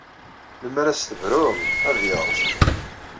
Lemmer ad as-tebrum, ad yerẓ.